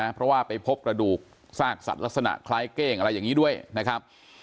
เพราะว่าไปพบกระดูกซากสัตว์ลักษณะคล้ายเก้งอะไรอย่างนี้ด้วยนะครับ